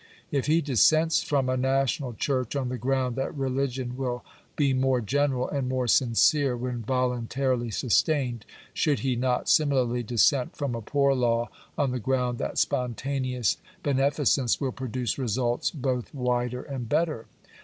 If he dissents from a national church on the ground that religion will be more general and more sincere when voluntarily sustained, should he not similarly dissent from a poor law on the ground that spontaneous bene ficence will produce results both wider and better